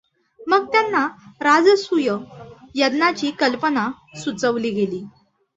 मग त्यांना राजसूय यज्ञाची कल्पना सुचवली गेली.